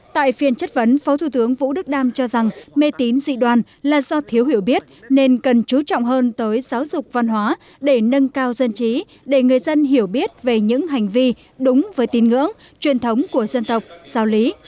tại phiên chất vấn phó thủ tướng vũ đức đam cho rằng mê tín dị đoàn là do thiếu hiểu biết nên cần chú trọng hơn tới giáo dục văn hóa để nâng cao dân trí để người dân hiểu biết về những hành vi đúng với tín ngưỡng truyền thống của dân tộc giáo lý